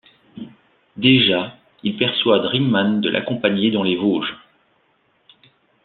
Déjà il persuade Ringmann de l’accompagner dans les Vosges.